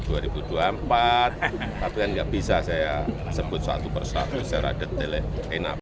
cepat tapi kan nggak bisa saya sebut satu persatu secara detail